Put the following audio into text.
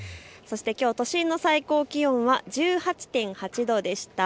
都心の最高気温は１８．８度でした。